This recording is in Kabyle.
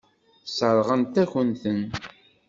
Sseṛɣent-akent-ten.